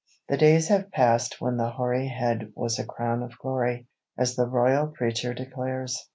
The days have passed when the hoary head was a crown of glory, as the royal preacher declares.